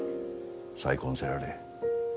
再婚せられえ。